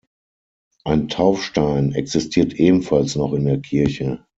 Ein Taufstein existiert ebenfalls noch in der Kirche.